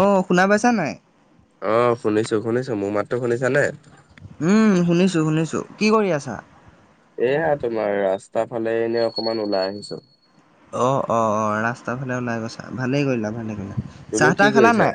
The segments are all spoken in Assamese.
অ' শুনা পাইছা নাই? অ' শুনিছো- শুনিছো মোৰ মাততো শুনিছ নে? উম শুনিছো - শুনিছো, কি কৰি আছা? এয়া তোমাৰ ৰাস্তা ফালে এনেই অকমান ওলাই আহিছো। অ' অ' অ' ৰাস্তা ফালে ওলাই গৈছা। ভালেই কৰিলা ভালেই কৰিলা তুমি চাহ কি তাহ খেলা কৰিছা? নাই,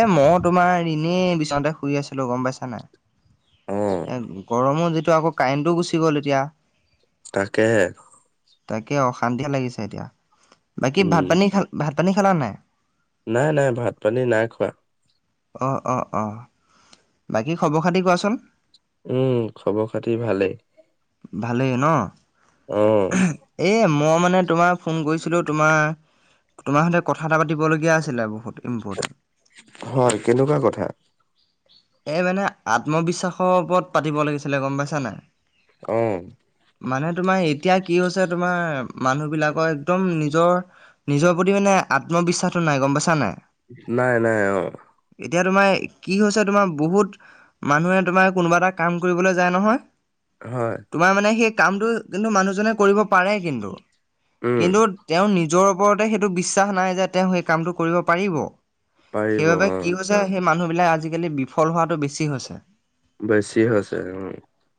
এ' মত তোমাৰ এনেই বিচনাতে শুই আছিলো গম পাইছা নাই অ', এ গৰমো যদি। টো আকৌ কাৰেণ্টও গুচি গ'ল এতিয়া। তাকেহে তাকে অশান্তিয়ে লাগিছে এতিয়া বাকী ভাত উম। পানী খাল ভাত পানী খালা নাই নাই নাই ভাত পানী নাই খোৱা অ অ অ বাকী খবৰ খাতি কোৱাচোন উম খবৰ খাতি ভালেই ভালেই ন অ', এ মই মানে তোমাৰ ফোন কৰিছিলো তোমাৰ তোমাৰ সতে কথা এটা পাতিবলগীয়া আছিলে বহুত ইম্পৰ্টেণ্ট। হয় কেনেকুৱা কথা এই মানে আত্মবিশ্বাসৰ ওপৰত পাতিব লাগিছিলে গম পাইছ নে অ' মানে তোমাৰ এতিয়া কি হৈছে তোমাৰ মানুহ বিলাকৰ একদম নিজৰ নিজৰ প্ৰতি মানে আত্মবিশ্বাসটো নাই গম পাইছা নাই নাই নাই অ এতিয়া তোমাৰ কি হৈছে তোমাৰ বহুত মানুহে তোমাৰ কোনোবা এটা কাম কৰিবলৈ যায় নহয় হয় তোমাৰ মানে সেই কামটো কিন্তু মানুহজনে কৰিব পাৰে কিন্তু উম, কিন্তু তেওঁ নিজ যৰ ওপৰতে সেইটো বিশ্বাস নাই যে তেওঁ সেই কামটো কৰিব পাৰিব পাৰিব সেইবাবে কি অ'। হৈছে সেই মানুহ বিলাক আজিকালি বিফল হোৱাতটো বেছি হৈছে বেছি আছে উ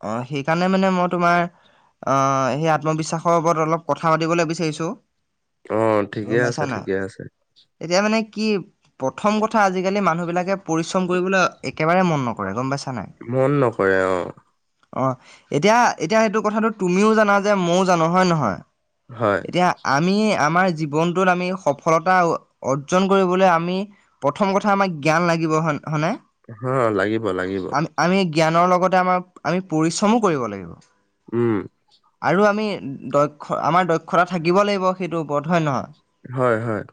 অ সেইকাৰণে মানে মই তোমাৰ আহ সেই আত্মবিশ্বাসৰ ওপৰত অলপ কথা পাতিবলৈ বিচাৰিছো অ', ঠিকে আছে গমাইছা নাই ঠিকে আছে। এতিয়া মানে কি প্ৰথম কথা আজিকালি মানুহ বিলাকে পৰিশ্ৰম কৰিবলৈ একেবাৰে মন নকৰে গম পাইছে মন নকৰে অ অ এতিয়া এতিয়া সেইটো কথাটো তুমিও জানা যে ময়ও জানো হয়ে নহয় হয়, এতিয়া আমি আমাৰ জীৱনটোত আমি সফলতা অৰ্জন কৰিবলৈ আমি প্ৰথম কথা আমাক জ্ঞান লাগিবহয় ন - হয় নে অ', লাগিব লাগিব। আমি- জ্ঞানৰ লগতে আমাৰ আমি পৰিশ্ৰমো কৰিব লাগিব উম, আৰু আমি- দক্ষ আমাৰ দক্ষতা থাকিব লাগিব সেইটো ওপৰত হয় ন হয় হয় হয় [inaudible]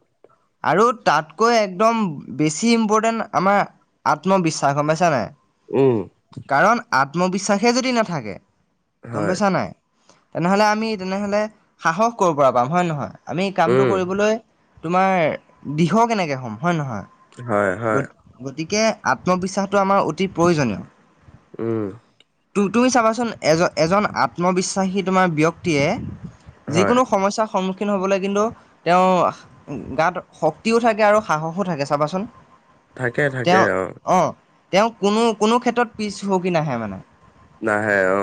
আৰু তাতকৈ একদম বেছি ইম্পৰ্টেণ্ট আমাৰ আত্মবিশ্বাস গম পাইছানে উম [inaudible] আত্মবিশ্বাসে যদি নাথাকে গম হয়, পাইছা নাই তেনেহলে আমি তেনেহলে সাহস কৰিব পৰা পাম হয়ে নহয় আমি কামটো উম। কৰিবলৈ- তোমাৰ দিৃহ কেনেকে হ'ম হয়ে নহয় হয়, হয়, গতিকে- আত্মবিশ্বাসটো আমাৰ অতি প্ৰয়োজনীয় উম [inaudible] তুমি চাবাচোন এজন এজন আত্মবিশ্বাসী তোমাৰ ব্যক্তিয়ে- হয়, যিকোনো সমস্যাৰ সন্মুখীন- স হ'বলৈ কিন্তু তেওঁ গাত শক্তিও থাকে আৰু সাহসো থাকে চাবাচোন থাকে থাকে তেওঁ অ তেওঁ কোনো কোনো ক্ষেত্ৰত পিছ হ কি নাহে মানে- নাই হে অ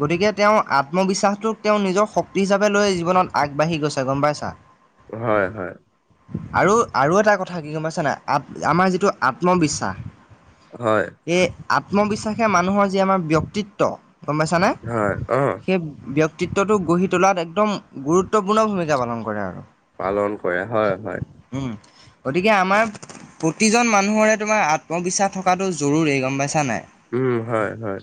গতিকে তেওঁ আত্মবিশ্বাসটোক তেওঁ নিজৰ শক্তি হিচাপে লৈ জীৱনত আগবাঢ়ি গৈছে গম পাইছা হয় হয় আৰু আৰু এটা কথা কি গম পাইছ নাই আ- আমাৰ যিটো আত্মবিশ্বাস হয় [inaudible] এই আত্মবিশ্বাসে মানুহৰ যি আমাৰ ব্যক্তিত্ব গম পাইছানে হয়, অ', সেই ব্যক্তি - ক্তিত্বটো গঢ়ি তোলাত একদম গুৰুত্বপূৰ্ণ ভূমিকা পালন কৰে আৰু পালন কৰে হয় হয় [inaudible] উম, গতিকে আমাৰ প্ৰতিজন মানুহৰে তোমাৰ আত্মবিশ্বাস থকাটো জৰুৰী গম পাইছা নাই উম, হয়, হয়,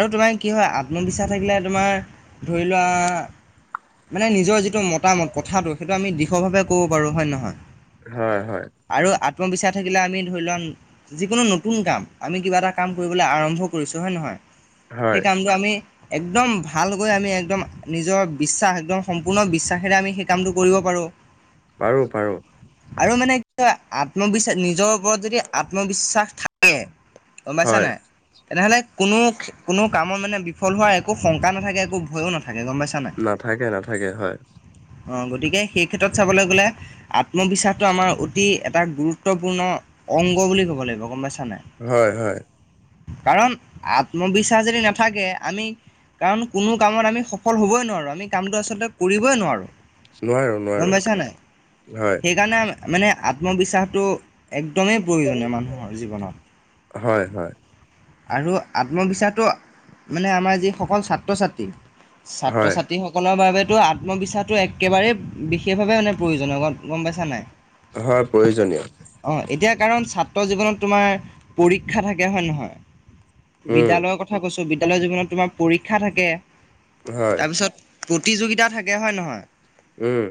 আৰু তোমাৰ কি হয় আত্মবিশ্বাস থাকিলে তোমাৰ ধৰি লোৱা- মানে নিজৰ যিটো মতামত কথাটো সেইটো আমি দীঢ়ভাৱে ক'ব পাৰোঁ হয় নে নহয়? হয় হয়। আৰু আত্মবিশ্বাস থাকিলে আমি ধৰি লোৱাক যিকোনো নতুন কাম আমি কিবা এটা কাম কৰিবলৈ আৰম্ভ কৰিছোঁ হয় নহয়। হয়, সেইকামটো আমি- একদম ভালকৈ আমি একদম নিজৰ বিশ্বাস একদম সম্পূৰ্ণ বিশ্বাসেৰে আমি সেই কামটো কৰিব পাৰোঁ- ব [unintelligible] পাৰো পাৰো। আৰু মানে কি আত্মবিশ্বাস নিজৰ ওপৰত যদি আত্মবিশ্বাস থাকে- গম পাইছা হয়, নাই তেনেহ'লে কোনো- কোনো কামত মানে বিফল হোৱাৰ একো শংকা নাথাকে একো ভয়ো নাথাকে। গম পাইছা নাথাকে নাথাকে হয়। অঁ গতিকে সেই ক্ষেত্ৰত চাবলৈ গ'লে আত্মবিশ্বাসটো আমাৰ অতি এটা গুৰুত্বপূৰ্ণ- অংগ বুলি ক'ব লাগিব গম পাইছা? নাই? হয় হয়- কাৰণ আত্মবিশ্বাস যদি নাথাকে আমি- কাৰণ কোনো কামত আমি সফল হ'বই নোৱাৰো আমি কামটো আচলতে কৰিবই নোৱাৰোঁ। নোৱাৰো, গম নোৱাৰো, পাইছা নাই হয়, সেইকাৰণে আম- মানে আত্মবিশ্বাসটো একদমেই প্ৰয়োজনীয় মানুহৰ জীৱনত- হয় হয়। আৰু- আত্মবিশ্বাসটো মানে আমাৰ যিসকল ছাত্ৰ ছাত্ৰী- ছাত্ৰ হয়, ছাত্ৰীসকলৰ বাবে- তো আত্মবিশ্বাসটো একেবাৰেেই বিশেষভাৱে মানে প্ৰয়োজনীয় হয় গম-গম পাইছা নাই হয় প্ৰয়োজনীয় অ এতিয়া কাৰণ ছাত্ৰ জীৱনত তোমাৰ পৰীক্ষা থাকে হয় নহয় উম, বিদ্যালয়ৰ কথা কৈছো বিদ্যালয়ৰ জীৱনত তোমাৰ পৰীক্ষা থাকে হয় তাৰপিছত প্ৰতিযোগিতা থাকে হয় নহয় উম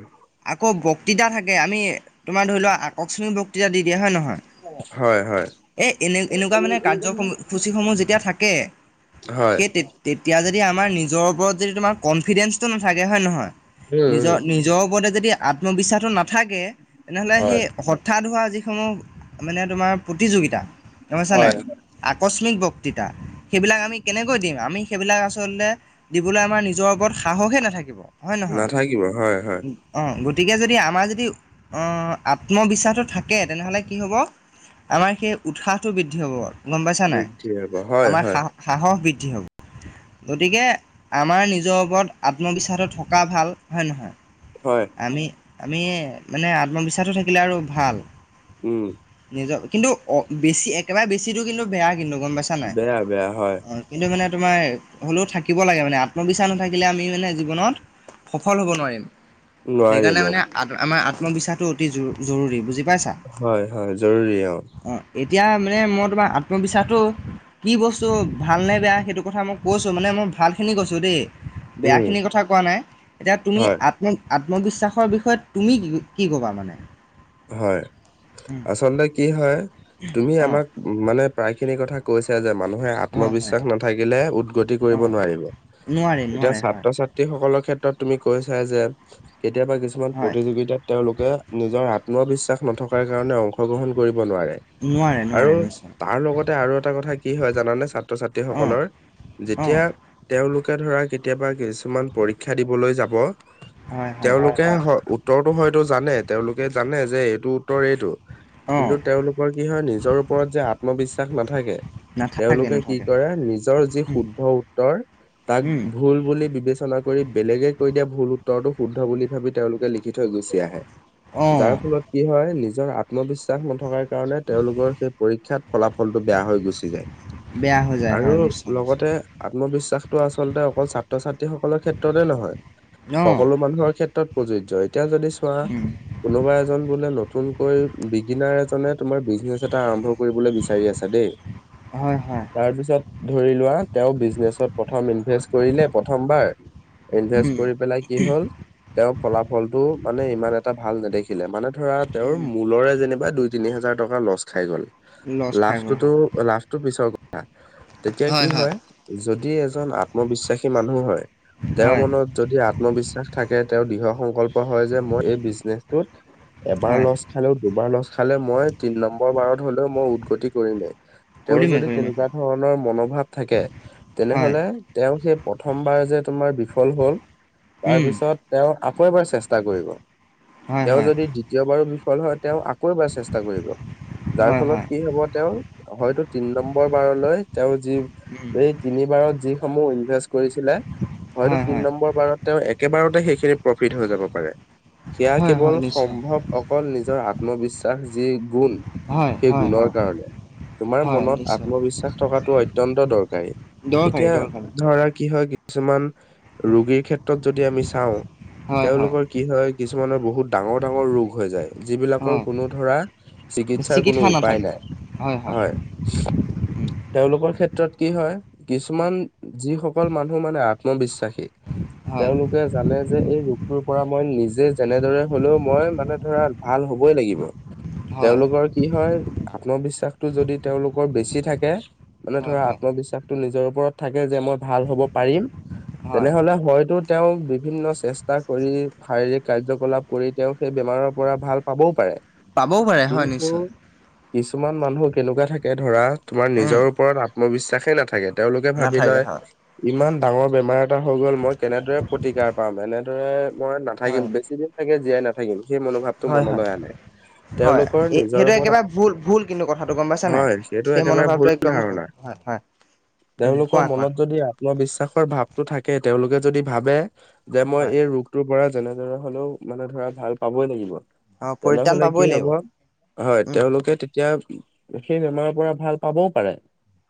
আকৌ বক্তৃতা থাকে আমি তোমাৰ ধৰি লোৱা আকস্মিক বক্তৃতা দি দিয়ে হয় নহয় হয় হয় একুৱা মানে কাৰ্যসূচী সমূহ যেতিয়া থাকে হয়, সেই তে-তে এতিয়া যদি আমাৰ নিজৰ ওপৰত যদি তোমাৰ কনফিডেঞ্চটো নাথাকে হয় নহয় উম, উম, নিজৰ- নিজৰ ওপৰতে যদি আত্মবিশ্বাসটো ন [unintelligible] নাথাকে তেনেহ'লে হয়, সেই হঠাৎ হোৱা যিসমূহ মানে তোমাৰ প্ৰতিযোগিতা [unintelligible] ছানে হয়, আকস্মিক বক তিতা সেইবিলাক আমি কেনেকৈ দিম আমি সেইবিলাক আচলতে দিবলৈ আমাৰ নিজৰ ওপৰত সাহসেই নাথাকিব হয় নহয় নাথাকিব, হয়, হয়, অঁ গ গতিকে যদি আমাৰ যদি আত্মবিশ্বাসটো থাকে তেনেহ'লে কি হ'ব আমাৰ সেই উৎসাহটো বৃদ্ধি হব গম পাইছা নাই বৃদ্ধি হ'ব, হয়, আমাৰ হয়। সাহ সাহস বৃদ্ধি হ' [unintelligible] গতিকে আমাৰ নিজৰ ওপৰত আত্মবিশ্বাস থকা ভাল হয় নহয় হয়, আমি-আমি মানে আত্মবিশ্বাসটো থাকিলে আৰু ভাল উম নিজ কিন্তু অ বেছি একেবাৰে বেছিটো কিন্তু বেয়া কিন্তু গম পাইছা নাই বেয়া বেয়া হয় কিন্তু মানে। তোমাৰ হ'লেও থাকিব লাগে মানে আত্মবিশ্বাস নাথাকিলে আমি মানে জীৱনত। সফল হ'ব নোৱাৰিম নোৱাৰিম সেইকাৰণে অ, মানে আ আমাৰ আত্মবিশ্বাসটো অতি জৰু জৰুৰী বুজি। পাইছা হয় হয় জৰুৰী অহ। অঁ এতিয়া মানে মই তোমাৰ আত্মবিশ্বাসটো। কি বস্তু ভালনে বেয়া সেইটো কথা মই কৈছোঁ মানে মই ভালখিনি কৈছোঁ দেই। উম, বেয়াখিনি কথা কোৱা নাই এতিয়া তুমি হয় আত্ম। আত্মবিশ্বাসৰ বিষয়ে তুমি কি কি কি ক'বা মানে। হয় আচলতে কি হয় তুমি অঁ আমাক মানে প্ৰায়। সেই খিনি কথা কৈছে যে মানুহে হয় হয় আত্মবিশ্বাস নাথাকিলে উদগতি কৰিব অঁ নোৱাৰিব। নোৱাৰে এতিয়া নোৱাৰে হয় ছাত্ৰ ছাত্ৰী সকলৰ ক্ষে। এত তুমি কৈছা যে কেতিয়াবা কিছুমান হয় প্ৰতিযোগিতা তেওঁলোকে নিজৰ আ। আত্মবিশ্বাস নথকাৰ কাৰণে অংশগ্ৰহণ কৰিব। ব নোৱাৰে নোৱাৰে আৰু নোৱাৰে নিশ্চয় তাৰ লগতে আৰু এটা কথা কি হয় জানানে। ছাত্ৰ অঁ ছাত্ৰীসকলৰ অঁ যেতিয়া তেওঁলোক। কে ধৰা কেতিয়াবা কিছুমান পৰীক্ষা দিবলৈ যাব। হয় হয় তেওঁলোকে উত্তৰটো হয়তো জানে তেওঁলোকে জানে যে এইটো উত্তৰ এইটো। অঁ কিন্তু তেওঁলোকৰ কি হয় নিজৰ ওপৰত যে আত্মবিশ্বাস নাথাকে। নাথাকে তেওঁলোকে কি নাথাকে কৰে নিজৰ যি শুদ্ধ উত্তৰ। তাক ভুল বুলি বিবেচনা কৰি বেলেগে। কৈ দিয়া ভুল উত্তৰটো শুদ্ধ বুলি ভাবি তেওঁলোকে লিখি থৈ গুচি আহে অঁ যাৰ ফলত কি হয়। এ নিজৰ আত্মবিশ্বাস নথকাৰ। কাৰণে তেওঁলোকৰ সেই পৰীক্ষাত ফলাফলতো বেয়া হৈ গুচি যায়। বেয়া হৈ যায় আৰু হয় নিশ্চয় নিশ্চয় লগতে আত্মবিশ্বাস টো আচলতে অকল ছাত্ৰ ছাত্ৰী সকলৰ ক্ষেত্ৰতে নহয় অঁ সকলো মানুহৰ ক্ষেত্ৰত প্ৰযোজ্য। এতিয়া যদি চোৱা কোনোবা এজন বোলে নতুনকৈ বিগিনাৰ এজনে তোমাৰ বিজনেচ এটা আৰম্ভ কৰিবলৈ বিচাৰি আছা দেই, হয় হয় তাৰপিছত ধৰি লোৱা তেওঁ বিজনেছত প্ৰথম ইনভেষ্ট কৰিলে প্ৰথমবাৰ। ইনভেষ্ট উম, কৰি পেলাই কি হ'ল তেওঁৰ ফলাফলটো মানে ইমান এটা ভাল নেদেখিলে মানে ধৰা তেওঁৰ উম, মূলৰে যেনিবা দুই তিনি হাজাৰ টকা লচ খাই গ'ল। লছ খাই গ'ল লাভটোতো হয় লাভটো পিছৰ তেতিয়া কি হয় যদি এজন আত্মবিশ্বাসী মানুহ হয় তেওঁৰ হয়, মনত যদি আত্মবিশ্বাস থাকে তেওঁৰ দৃঢ় সংকল্প হয় যে মই এই বিজনেচটোত এবাৰ হয়, লচ খালেও দুবাৰ লচ খালে মই তিন নম্বৰ বাৰত হলেও মই উদগতি কৰিমে। তেওঁৰ কৰিমেই, যদি কৰিমেই, তেনেকুৱা ধৰণৰ মনোভাৱ থাকে হয়, তেনেহ'লে তেওঁ সেই প্ৰথমবাৰ যে তোমাৰ বিফল হ'ল, উম, তাৰপিছত তেওঁ আকৌ এবাৰ চেষ্টা কৰিব। হয়, তেওঁ হয়, যদি দ্বিতীয়বাৰো বিফল হয় তেওঁ আকৌ এবাৰ চেষ্টা কৰিব। যাৰ হয়, ফলত হয়, কি হব তেওঁৰ হয়তো তিন নম্বৰ বাৰলৈ তেওঁ যি উম, এই তিনিবাৰ ত যিসমূহ উ কৰিছিলে হয়তো হয়, তিন হয়, নম্বৰ বাৰত তেওঁ একেবাৰতে সেইখিনি প্ৰফিট হৈ যাব পাৰে। সেয়া হয়, কেৱল হয়, নিশ্চয়, সম্ভৱ অকল নিজৰ আত্মবিশ্বাস যি গুণ। হয়, সেই হয়, গুণৰ হয়, কাৰণে। তোমাৰ হয়, মনত নিশ্চয়, আত্মবিশ্বাস থকাটো অত্যন্ত দৰকাৰী। দৰকাৰী, এতিয়া দৰকাৰী, ধৰা কি হয় কিছুমান ৰোগীৰ ক্ষেত্ৰত যদি আমি চাওঁ হয়, হয়, তেওঁলোকৰ কি হয় কিছুমানৰ বহুত ডাঙৰ ডাঙৰ ৰোগ হৈ যায়। যিবিলাকৰ হয়, কোনো ধৰা চিকিৎসাৰ কোনো চিকিৎসা উপায় নাথাকে, নাই হয়। উম, তেওঁলোকৰ ক্ষেত্ৰত কি হয় উম, কিছুমান যিসকল মানুহ মানে আত্মবিশ্বাসী হয়, তেওঁলোকে জানে যে এই ৰোগটোৰ পৰা মই নিজে এনেদৰে হলেও মই মানে ধৰা ভাল হ'বই লাগিব। হয়, তেওঁলোকৰ কি হয় আত্মবিশ্বাসটো যদি তেওঁলোকৰ বেছি থাকে মানে হয়, ধৰা হয়, আত্মবিশ্বাসটো নিজৰ ওপৰত থাকে। যে মই ভাল হ'ব পাৰিম হয়, তেনেহলে হয়তো তেওঁ বিভিন্ন চেষ্টা কৰি শাৰীৰিক কাৰ্যকলাপ কৰি তেওঁ সেই বেমাৰৰ পৰা ভাল পাবও পাৰে। পাবও পাৰে, হয় কিন্তু নিশ্চয়। কিছুমান মানুহ কেনেকুৱা থাকে ধৰা, তোমাৰ উম, নিজৰ ওপৰত আত্মবিশ্বাসেই নাথাকে। তেওঁলোকে ভাবি নাথাকে, লয়, হয়, ইমান ডাঙৰ বেমাৰ এটা হৈ গ'ল, মই কেনেদৰে প্ৰতিকাৰ পাম? এনে দৰে, মই হয়, নাথাকিম বেছি দিন, চাগে জীয়াই নাথাকিম। সেই মনোভাৱটো হয়, হয়, মনলৈ আনে হয়, তেওঁলোকৰ নিজৰ সেইটো ওপৰত একেবাৰেই ভুল, ভুল কিন্তু কথাটো গম পাইছা নে? হয় সেইটো সেই একেবাৰে ভুল মনোভাৱটো একদম ধাৰণা ভুল। হয়, হয়। উম, তেওঁলোকৰ কোৱা, কোৱা, মনত যদি আত্মবিশ্বাসৰ ভাৱটো থাকে, তেওঁলোকে যদি ভাবে যে মই হয়। এই ৰোগটোৰ পৰা যেনেদৰে হ'লেও মানে ধৰা ভাল পাবই লাগিব। অ পৰিত্ৰাণ তেনেহ'লে পাবই কি লাগিব হ'ব? হয়, উম তেওঁলোকে তেতিয়া সেই বেমাৰৰ পৰা ভাল পাবও পাৰে।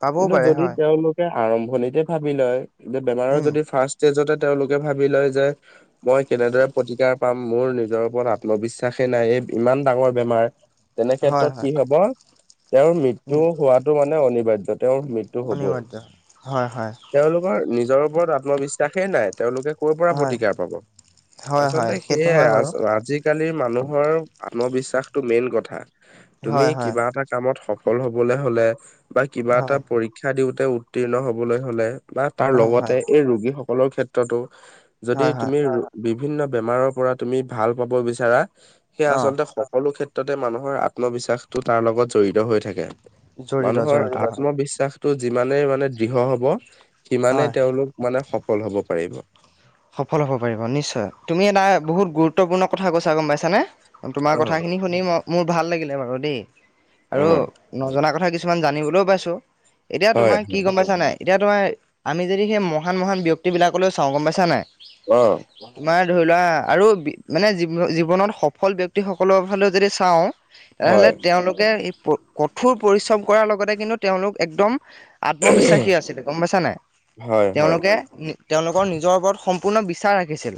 পাবও কিন্তু পাৰে যদি হয় তেওঁলোকে আৰম্ভণিতে ভাবি লয়, যে বেমাৰৰ উম যদি ফাৰ্ষ্ট ষ্টেজতে তেওঁলোকে ভাবি লয় যে, মই কেনেদৰে প্ৰতিকাৰ পাম। মোৰ নিজৰ ওপৰত আত্মবিশ্বাসেই নাই, এই ইমান ডাঙৰ বেমাৰ! তেনে হয় ক্ষেত্ৰত হয় কি হ'ব, তেওঁৰ মৃত্যু উম হোৱাটো মানে অনিবাৰ্য। তেওঁৰ মৃত্যু হ'বই। অনিবাৰ্য হয় হয় তেওঁলোকৰ নিজ জৰ ওপৰত আত্মবিশ্বাসেই নাই। তেওঁলোকে ক'ৰ পৰা হয় প্ৰতিকাৰ পাব? হয় হয় আচলতে সেইটো সেয়াই, হয় বাৰু আজ-আজিকালি কালি মানুহৰ আত্মবিশ্বাসটো মেইন কথা। তুমি হয় হয় কিবা এটা কামত সফ সফল হ'বলৈ হ'লে বা কিবা হয় এটা হয় পৰীক্ষা দিওঁতে উত্তীৰ্ণ হ'বলৈ হ'লে বা তাৰ লগতে হয় এই ৰোগী সকলৰ ক্ষেত্ৰতো, যদি হয় হয় তুমি ৰো, বি বিভিন্ন বেমাৰৰ পৰা তুমি ভাল পাব বিচাৰা, সেয়া অ আচলতে সকলো ক্ষেএ ত্ৰতে মানুহৰ আত্মবিশ্বাসটো তাৰ লগত জড়িত হৈ থাকে। জড়িত মানুহৰ জড়িত হয় আত্মবিশ্বাস টো যিমানেই মানে দৃঢ় হ'ব, সিমানেই হয় তেওঁলোক মানে সফল হ'ব পাৰিব। সফল হ'ব পাৰিব, নিশ্চয়! তুমি এটা বহুত গুৰুত্বপূৰ্ণ কথা কৈছা গ'ম পাইছানে? তোমাৰ অ কথাখিনি শুনি ম, মোৰ ভাল লাগিলে বাৰু দেই। অ আৰু নজনা কথা কিছুমান জানিবলৈও পাইছো। এতিয়া হয় তোমাৰ কি গম পাইছা নাই? এতিয়া তোমাৰ আমি যদি সেই মহান, মহান ব্যক্তিবিলাকলৈ চাওঁ, গম পাইছা নাই! অ তোমাৰ ধৰি লোৱা আৰু বি, মানে জী-জীৱনত সফল ব্যক্তিসকলৰ ফালেও যদি চাওঁ তেনেহলে হয় তেওঁলোকে কঠোৰ পৰিশ্ৰম কৰাৰ লগতে কিন্তু তেওঁলোক একদম আত্মবিশ্বাসী আছিলে গম পাইছা নাই, হয় হয় তেওঁলোকে তেওঁলোকৰ নিজৰ ওপৰত সম ম্পৰ্ণ বিশ্বাস ৰাখিছিল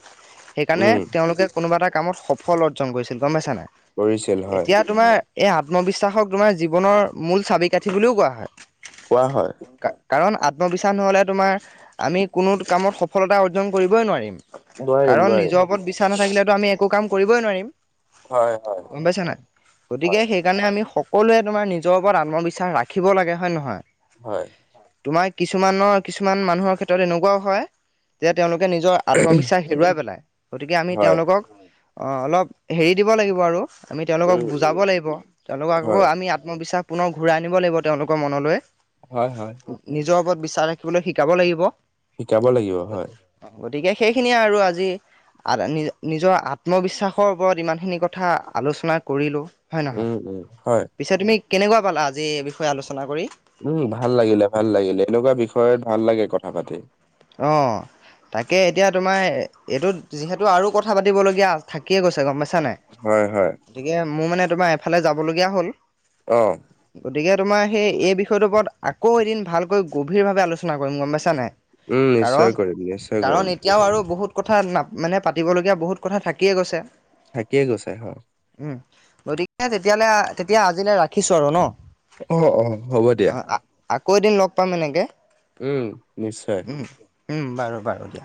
সেইকাৰণে উম তেওঁলোকে কোনোবা এটা কামত সফল অৰ্জন কৰিছিল গম পাইছা নাই। কৰিছিল হয়। এতিয়া তোমাৰ এই আত্মবিশ্বাসক তোমাৰ জীৱনৰ মূল চাবি কাঠি বুলিও কোৱা হয়। কোৱা হয়। কাৰণ আত্মবিশ্বাস নহ'লে তোমাৰ আমি কোনো কামত সফলতা অৰ্জন কৰিবই নোৱাৰিম। নোৱাৰিম কাৰণ নোৱাৰিম নিজৰ ওপৰত বিশ্বাস নাথাকিলেতো আমি একো কাম কৰিবই নোৱাৰিম। হয় হয় গম পাইছা নাই, গতিকে হয় সেইকাৰণে আমি স সকলোৱে তোমাৰ নিজৰ ওপৰত আত্মবিশ্বাস ৰাখিব লাগে হয় নহয়। হয়। তোমাৰ কিছুমানৰ কিছুমান মানুহৰ ক্ষেত্ৰত এনেকুৱাও হয় যে তেওঁলোকে নিজৰ আত্মবিশ্বাস হেৰুৱাই পেলাই গতিকে আমি হয় তেওঁলোকক অঁ অলপ হেৰি দিব লাগিব আৰু আমি তেওঁলোকক উম উম বুজাব লাগিব তেওঁলোকক হয় আকৌ আমি আত্মবিশ্বাস ম্পৰ্ণ ঘূৰাই আনিব লাগিব তেওঁলোকৰ মনলৈ, হয় হয় নিজৰ ওপৰত বিশ্বাস ৰাখিবলৈ শিকাব লাগিব। শিকাব লাগিব হয়। গতিকে সেইখিনিয়ে আৰু আজি। আ নি নিজৰ আত্মবিশ্বাসৰ ওপৰত ইমানখিনি কথা আলোচনা কৰিলোঁ। হয় নহয় উম উম হয় পিছে তুমি কেনেকুৱা পালা আজি এই বিষয়ে আলোচনা কৰি? উম ভাল লাগিলে ভাল লাগিলে এনেকুৱা বিষয়ত ভাল লাগে কথা পাতি। অ'। তাকে এতিয়া তোমাৰ এইটো যিহেতু আৰু কথা পাতিবলগীয়া থাকিয়ে গৈছে গম পাইছা শুনিছা নাই হয় হয় গতিকে মোৰ মানে তোমাৰ এফালে যাবলগীয়া হ'ল। অহ। গতিকে তোমাৰ সেই এই বিষয়টোৰ ওপৰত আকৌ এদিন ভালকৈ গভীৰভাৱে আলোচনা কৰিম গম পাইছা নাই। উম নিশ্চয় কাৰণ, কৰিম নিশ্চয় কৰিম কাৰণ এতিয়াও আৰু বহুত কথা না মানে পাতিবলগীয়া বহুত কথা থাকিয়ে গৈছে। থাকিয়ে গৈছে হয়। উম, গতিকে তেতিয়াহলে তেতিয়া আজিলৈ ৰাখিছো আৰু ন'। অ, অ, হ'ব দিয়া। কৈ দিন লগ পাম এনেকে। উম, নিশ্চয়। উম, বাৰু, বাৰু দিয়া।